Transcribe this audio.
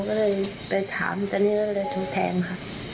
ก็เลยไปถามเจ้านี่เลยถูกแทงครับ